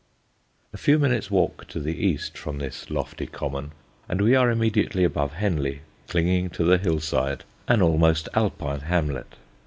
A few minutes' walk to the east from this lofty common, and we are immediately above Henley, clinging to the hill side, an almost Alpine hamlet.